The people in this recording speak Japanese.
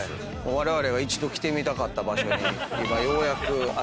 われわれが一度来てみたかった場所に今ようやく足を踏み入れた。